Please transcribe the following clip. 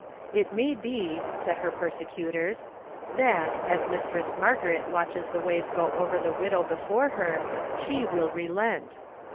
'It may be,' said her persecutors, 'that, as Mistress Margaret watches the waves go over the widow before her, she will relent!'